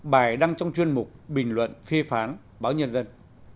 bài đăng trong chuyên mục bình luận phê phán báo nhân dân